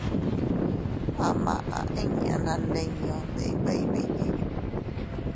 A maʼa inña naandinñu ndibeʼey biʼi.